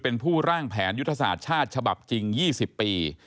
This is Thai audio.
เป็นผู้ร่างแผนยุทธศาสตร์ชาติฉบับจริง๒๐ปี